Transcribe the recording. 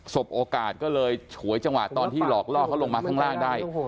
บโอกาสก็เลยฉวยจังหวะตอนที่หลอกล่อเขาลงมาข้างล่างได้